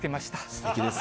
すてきです。